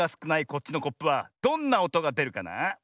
こっちのコップはどんなおとがでるかな？